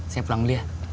saya pulang beli ya